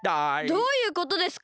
どういうことですか？